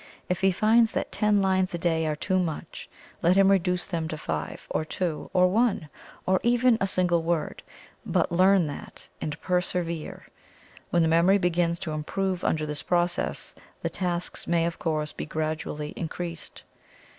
If he finds that ten lines a day are too much, let him reduce them to five, or two, or one, or even a single word, but learn that, and persevere. When the memory begins to improve under this process, the tasks may, of course, be gradually increased.